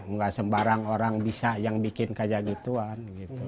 nggak sembarang orang bisa yang bikin kayak gituan